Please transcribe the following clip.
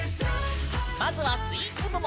まずはスイーツ部門！